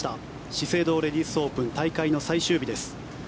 資生堂レディスオープン大会の最終日です。